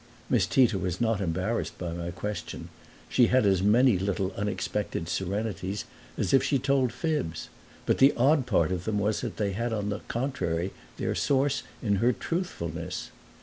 Miss Tita was not embarrassed by my question; she had as many little unexpected serenities as if she told fibs, but the odd part of them was that they had on the contrary their source in her truthfulness.